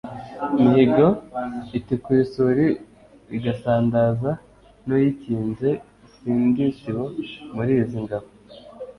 Mihigo itikura isuli igasandaza n’uyikinze, si ndi isibo muli izi ngabo